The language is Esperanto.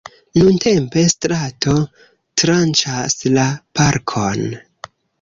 Nuntempe strato tranĉas la parkon.